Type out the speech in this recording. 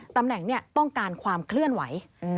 ตำแหน่งต้องการความเคลื่อนไหว